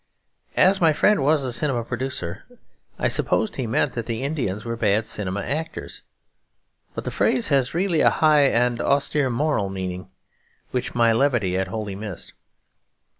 As my friend was a cinema producer, I supposed he meant that the Indians were bad cinema actors. But the phrase has really a high and austere moral meaning, which my levity had wholly missed.